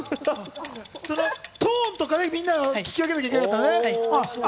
トーンとかをみんなが聞き分けなきゃいけないのね。